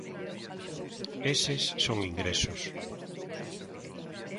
Eses son ingresos.